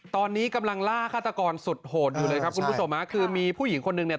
ตอนนี้กำลังล่าฆาตกรสุดโหดอยู่เลยครับคุณผู้ชมฮะคือมีผู้หญิงคนหนึ่งเนี่ย